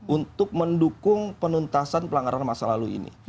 untuk mendukung penuntasan pelanggaran masa lalu ini